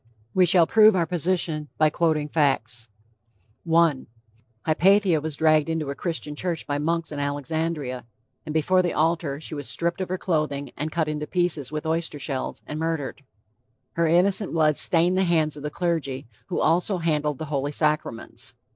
We shall prove our position by quoting facts: I. HYPATIA [Footnote: See Author's, The Martyrdom of Hypatia.] was dragged into a Christian church by monks in Alexandria, and before the altar she was stripped of her clothing and cut in pieces with oyster shells, and murdered. Her innocent blood stained the hands of the clergy, who also handle the Holy Sacraments.